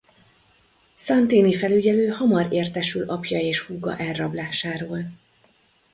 Santini felügyelő hamar értesül apja és húga elrablásáról.